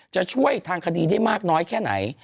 จะช่วยทางคดีได้มากน้อยแค่ไหน